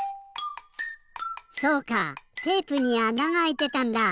そうかテープにあながあいてたんだ！